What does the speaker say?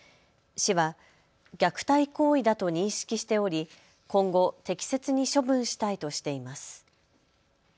市は虐待行為だと認識しており今後、適切に処分したいとしています。